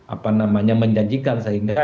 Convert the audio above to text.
apa namanya menjanjikan sehingga